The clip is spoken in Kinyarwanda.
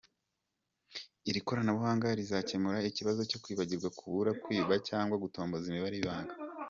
Iri koranabuhanga rizakemura ikibazo cyo kwibagirwa, kubura , kwiba cyangwa gutomboza imibare y’ibanga.